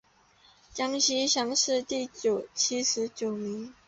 江西乡试第七十九名。